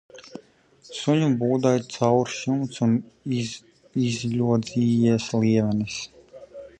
Suņu būdai caurs jumts un izļodzījies lievenis.